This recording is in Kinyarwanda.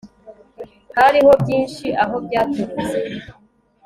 Hariho byinshi aho byaturutse